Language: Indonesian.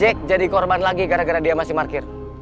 jack jadi korban lagi gara gara dia masih parkir